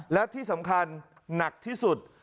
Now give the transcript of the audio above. และที่สำคัญหนักที่สุด